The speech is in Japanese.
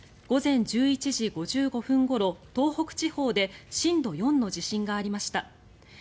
午前１１時５５分ごろ東北地方で震度４の地震がありました。